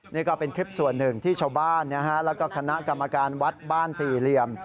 นี่ก็เป็นคลิปส่วนหนึ่งที่ชาวบ้านแล้วก็คณะกรรมการวัดบ้านสี่เหลี่ยม